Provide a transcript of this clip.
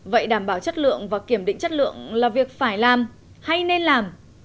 vậy đảm bảo chất lượng và kiểm định chất lượng là việc phải làm hay nên làm